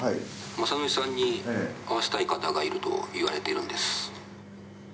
雅紀さんに会わせたい方がいると言われてるんです。